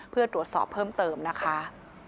เพื่อตรวจสอบเพิ่มเติมนะคะ